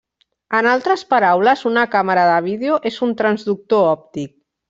En altres paraules, una càmera de vídeo és un transductor òptic.